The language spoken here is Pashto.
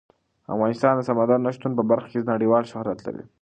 افغانستان د سمندر نه شتون په برخه کې نړیوال شهرت لري.